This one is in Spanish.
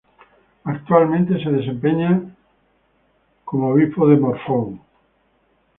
Actualmente se desempeña como Obispo de Morphou.